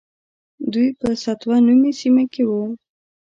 دوی په السطوة نومې سیمه کې وو.